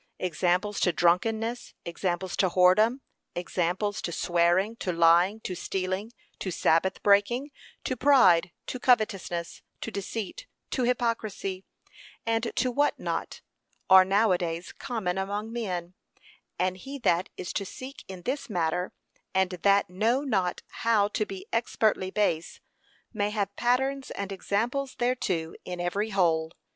Examples to drunkenness; examples to whoredom; examples to swearing, to lying, to stealing, to sabbath breaking, to pride, to covetousness, to deceit, to hypocrisy, and to what not, are now a days common among men, and he that is to seek in this matter, and that know not how to be expertly base, may have patterns and examples thereto in every hole.